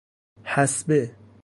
حصبه